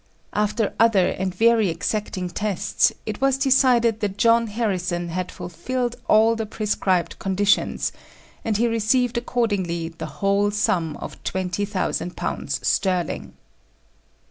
After other and very exacting tests, it was decided that John Harrison had fulfilled all the prescribed conditions, and he received accordingly the whole sum of twenty thousand pounds sterling.